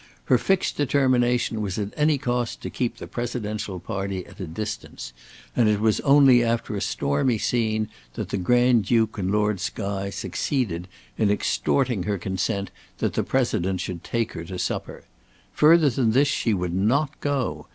Her fixed determination was at any cost to keep the Presidential party at a distance, and it was only after a stormy scene that the Grand Duke and Lord Skye succeeded in extorting her consent that the President should take her to supper. Further than this she would not go.